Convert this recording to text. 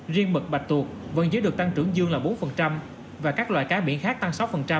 riêng mực bạch tuộc vẫn giữ được tăng trưởng dương là bốn và các loại cá biển khác tăng sáu